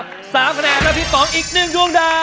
๓คะแนนแล้วพีชป๋องอีกหนึ่งดวงดาว